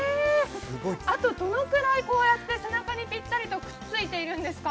あとどのくらい、こうやって背中にぴったりとくっついているんですか？